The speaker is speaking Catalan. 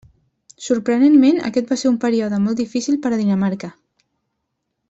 Sorprenentment, aquest va ser un període molt difícil per a Dinamarca.